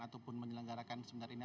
ataupun menyelenggarakan seminar ini